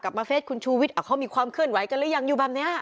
มาเฟสคุณชูวิทย์เขามีความเคลื่อนไหวกันหรือยังอยู่แบบเนี้ย